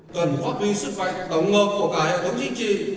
cần phát huy sức mạnh tổng hợp của cả hệ thống chính trị